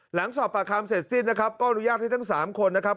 หลังสอบปากคำเสร็จสิ้นนะครับก็อนุญาตให้ทั้ง๓คนนะครับ